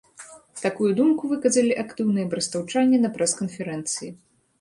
Такую думку выказалі актыўныя брэстаўчане на прэс-канферэнцыі.